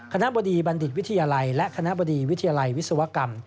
บดีบัณฑิตวิทยาลัยและคณะบดีวิทยาลัยวิศวกรรม